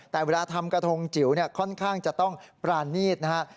แต่เวลาทำกระทงจิ๋วค่อนข้างจะต้องปรานีตนะฮะ